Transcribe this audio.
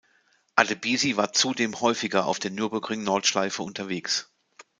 Adebisi war zudem häufiger auf der Nürburgring-Nordschleife unterwegs.